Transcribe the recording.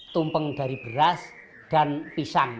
tumpeng dari beras dan pisang